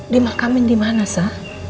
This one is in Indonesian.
dimakamin di mana sa